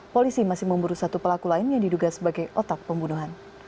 polisi masih memburu satu pelaku lain yang diduga sebagai otak pembunuhan